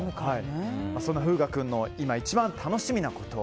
そんな風雅君の今、一番楽しみなこと。